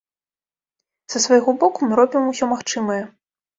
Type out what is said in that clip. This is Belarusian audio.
Са свайго боку мы робім усё магчымае.